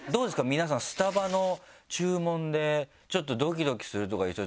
皆さんスタバの注文でちょっとドキドキするとかいう人